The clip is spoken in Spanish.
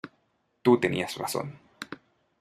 Tú tenías razón.